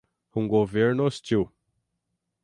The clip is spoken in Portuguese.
um governo hostil